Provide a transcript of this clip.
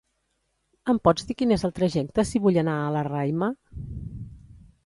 Em pots dir quin és el trajecte si vull anar a la Raima?